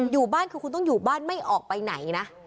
อยู่บ้านคือคุณต้องอยู่บ้านไม่ออกไปไหนนะ